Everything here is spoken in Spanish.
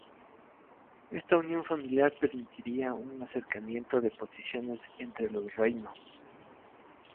Esta unión familiar permitiría un acercamiento de posiciones entre los reinos.